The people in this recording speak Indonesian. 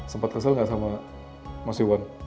sempat kesel nggak sama mas iwan